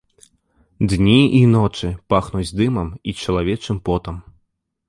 Дні і ночы пахнуць дымам і чалавечым потам.